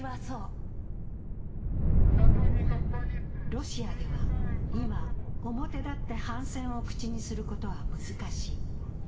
ロシアでは今、表立って反戦を口にすることは難しい。